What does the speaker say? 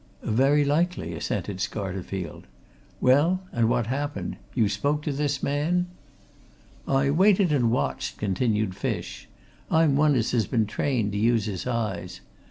"Very likely," assented Scarterfield. "Well, and what happened? You spoke to this man?" "I waited and watched," continued Fish. "I'm one as has been trained to use his eyes.